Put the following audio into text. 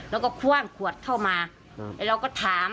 แล้วก็คว่างขวดเข้ามาแล้วเราก็ถาม